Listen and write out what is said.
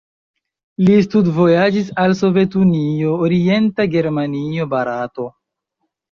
Li studvojaĝis al Sovetunio, Orienta Germanio, Barato.